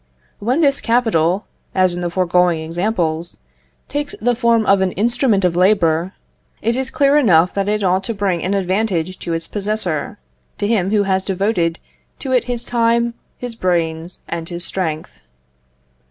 When this capital, as in the foregoing examples, takes the form of an instrument of labour, it is clear enough that it ought to bring an advantage to its possessor, to him who has devoted to it his time, his brains, and his strength.